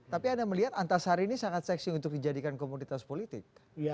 tapi anda melihat antasari ini sangat seksi untuk dijadikan komunitas politik